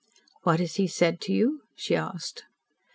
"What has he said to you?" she asked.